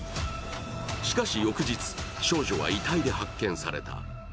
しかし翌日、少女は遺体で発見された。